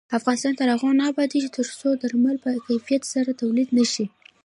افغانستان تر هغو نه ابادیږي، ترڅو درمل په کیفیت سره تولید نشي.